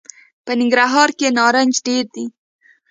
په ننګرهار کي نارنج ډېر دي .